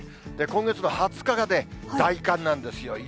今月の２０日がね、大寒なんですよ。